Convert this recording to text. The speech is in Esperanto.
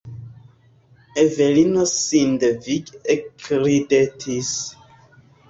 Evelino sindevige ekridetis.